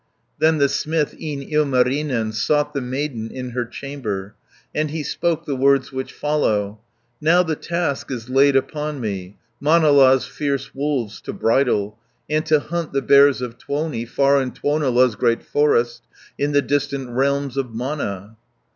110 Then the smith, e'en Ilmarinen, Sought the maiden in her chamber, And he spoke the words which follow: "Now the task is laid upon me, Manala's fierce wolves to bridle, And to hunt the bears of Tuoni, Far in Tuonela's great forest, In the distant realms of Mana."